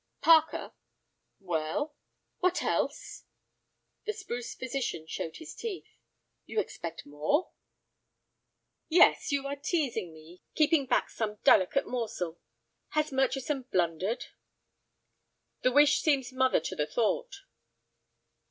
"Parker." "Well?" "What else?" The spruce physician showed his teeth. "You expect more?" "Yes, you are teasing me, keeping back some delicate morsel. Has Murchison blundered?" "The wish seems mother to the thought."